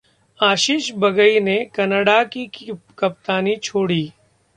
आशीष बगई ने कनाडा की कप्तानी छोड़ी